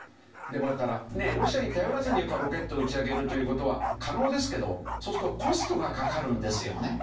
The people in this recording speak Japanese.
でもだからロシアに頼らずにロケットを打ち上げるという事は可能ですけどそうするとコストがかかるんですよね。